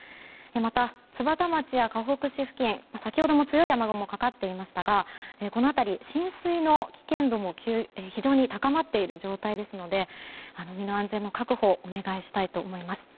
また、津幡町やかほく市付近先ほども強い雨雲がかかっていましたがこの辺り、浸水の危険度も非常に高まっている状態ですので身の安全の確保をお願いしたいと思います。